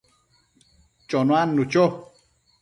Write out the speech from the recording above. chonuadnu cho